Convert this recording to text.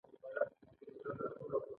یو سل او نهه نوي یمه پوښتنه د انفصال حالت دی.